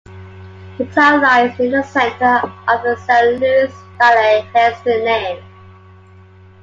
The town lies near the center of the San Luis Valley, hence the name.